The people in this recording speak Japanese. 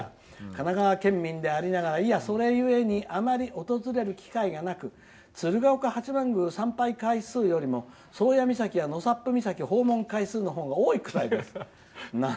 神奈川県民でありながらいや、それゆえにあまり訪れる機会がなく鶴岡八幡宮の参拝回数よりも宗谷岬の訪問回数の方が多いくらいです。